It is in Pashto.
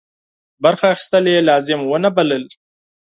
برخه اخیستل یې لازم ونه بلل.